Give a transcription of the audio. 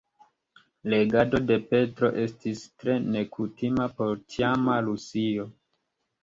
Regado de Petro estis tre nekutima por tiama Rusio.